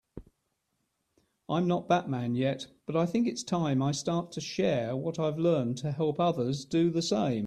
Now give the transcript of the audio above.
I'm not Batman yet, but I think it's time I start to share what I've learned to help others do the same.